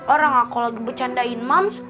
orang aku lagi bercandain mums